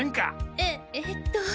ええっと